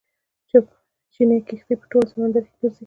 چیني کښتۍ په ټولو سمندرونو کې ګرځي.